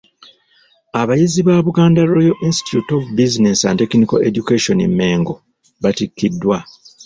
Abayizi ba Buganda royal Institute of business and technical education e Mengo batikkiddwa.